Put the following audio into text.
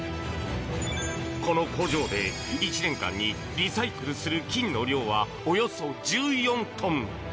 この工場で１年間にリサイクルする金の量はおよそ１４トン。